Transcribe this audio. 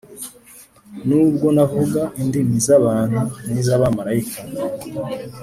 nubwo navuga indimi z abantu n iz abamarayika